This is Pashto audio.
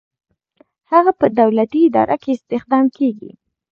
هغه په دولتي اداره کې استخدام کیږي.